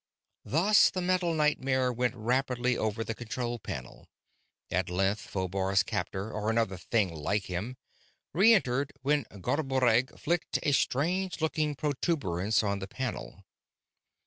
Thus the metal nightmare went rapidly over the control panel. At length Phobar's captor, or another thing like him, reentered when Garboreggg flicked a strange looking protuberance on the panel.